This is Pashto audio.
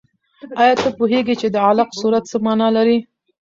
آیا ته پوهېږې چې د علق سورت څه مانا لري؟